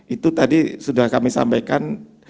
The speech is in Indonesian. itu tadi sudah kami sampaikan